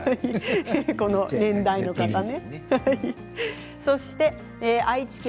この年代の方ね。